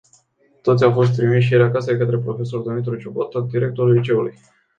Toți au fost trimiși ieri acasă de către profesorul Dumitru Ciuboată, directorul liceului.